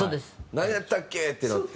なんやったっけってなって？